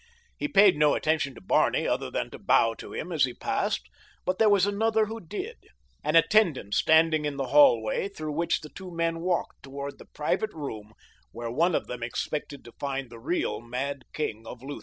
He paid no attention to Barney other than to bow to him as he passed, but there was another who did—an attendant standing in the hallway through which the two men walked toward the private room where one of them expected to find the real mad king of Lutha.